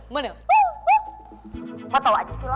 mau tau aja sih lo